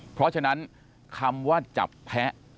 เพราะฉะนั้นคำว่าจับแพ้